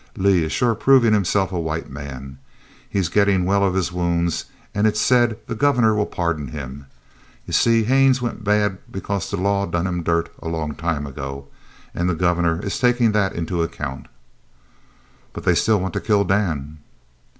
Lee is sure provin' himself a white man. He's gettin' well of his wounds and it's said the Governor will pardon him. You see, Haines went bad because the law done him dirt a long time ago, and the Governor is takin' that into account." "But they'd still want to kill Dan?"